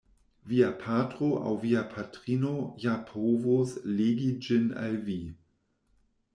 Via patro aŭ via patrino ja povos legi ĝin al vi.